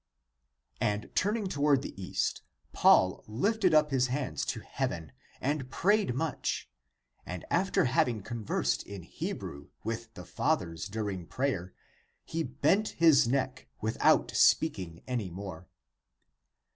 ^ And turning toward the east, Paul lifted up his hands to heaven and prayed much ; and after having conversed in Hebrew with the fathers during prayer, he bent his neck, without speaking any more.